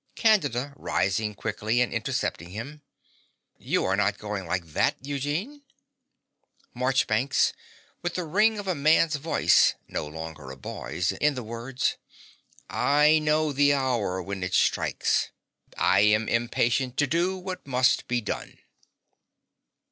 CANDIDA (rising quickly and intercepting him). You are not going like that, Eugene? MARCHBANKS (with the ring of a man's voice no longer a boy's in the words). I know the hour when it strikes. I am impatient to do what must be done.